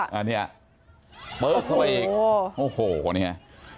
อันนี้ปึ๊กเข้าไปอีกโอ้โหเนี่ย